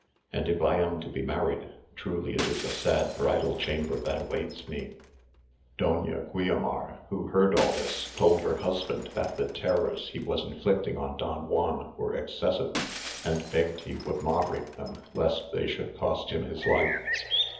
And if I am to be married, truly it is a sad bridal chamber that awaits me." Doña Guiomar, who heard all this, told her husband that the terrors he was inflicting on Don Juan were excessive, and begged he would moderate them, lest they should cost him his life.